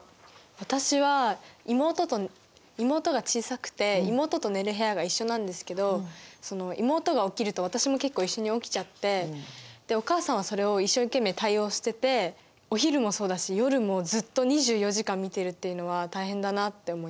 私は妹が小さくて妹と寝る部屋が一緒なんですけど妹が起きると私も結構一緒に起きちゃってお母さんはそれを一生懸命対応しててお昼もそうだし夜もずっと２４時間見てるっていうのは大変だなって思います。